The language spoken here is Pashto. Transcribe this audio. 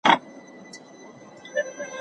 په مابينځ کي يوه لویه سېمه ده.